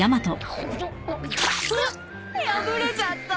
破れちゃった。